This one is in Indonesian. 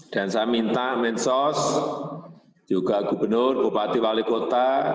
dan saya minta mensos juga gubernur bupati wali kota